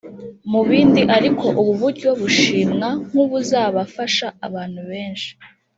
Mu bindi ariko ubu buryo bushimwa nk’ubuzabafasha abantu benshi